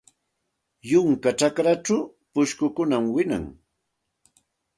Yunka chakrachaw pushkukunam wiñan.